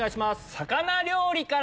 魚料理から。